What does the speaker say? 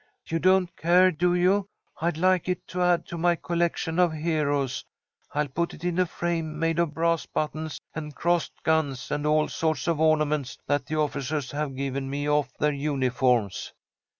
"You don't care, do you? I'd like it to add to my collection of heroes. I'll put it in a frame made of brass buttons and crossed guns and all sorts of ornaments that the officers have given me off of their uniforms."